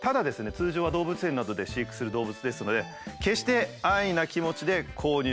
通常は動物園などで飼育する動物ですので「決して安易な気持ちで購入しない」と。